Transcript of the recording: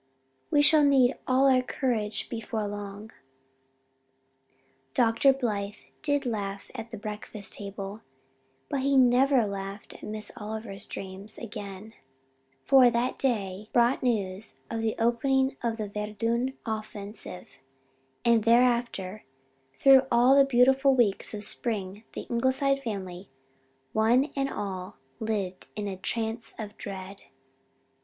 We shall need all our courage before long." Dr. Blythe did laugh at the breakfast table but he never laughed at Miss Oliver's dreams again; for that day brought news of the opening of the Verdun offensive, and thereafter through all the beautiful weeks of spring the Ingleside family, one and all, lived in a trance of dread.